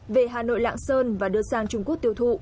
về hà nội lạng sơn và đưa sang trung quốc tiêu thụ